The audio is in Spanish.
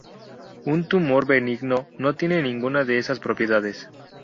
Un tumor benigno no tiene ninguna de esas propiedades.